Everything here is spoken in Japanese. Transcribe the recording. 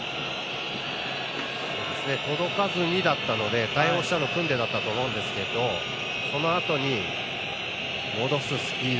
届かずにだったので対応したのはクンデだったと思うんですけどそのあとに戻すスピード